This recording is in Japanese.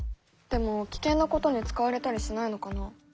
でも危険なことに使われたりしないのかな？